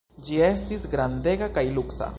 Ĝi estis grandega kaj luksa.